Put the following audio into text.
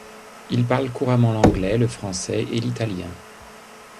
Il parle couramment l'anglais, le français et l'italien.